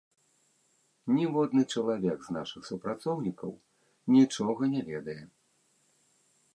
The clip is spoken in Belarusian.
Ніводны чалавек з нашых супрацоўнікаў нічога не ведае.